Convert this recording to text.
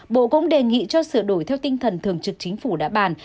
bộ cũng đề nghị cho sửa đổi theo tinh thần thường trực chính phủ đã bàn